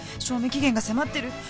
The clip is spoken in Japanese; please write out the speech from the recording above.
賞味期限が迫ってる。